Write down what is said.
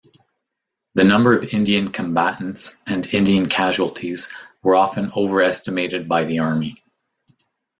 The number of Indian combatants and Indian casualties were often overestimated by the army.